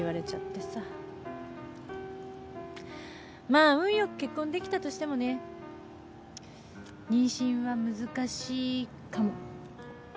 まあ運よく結婚できたとしてもね妊娠は難しいかも。